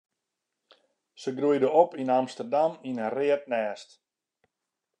Se groeide op yn Amsterdam yn in read nêst.